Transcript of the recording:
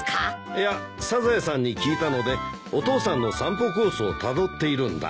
いやサザエさんに聞いたのでお父さんの散歩コースをたどっているんだ。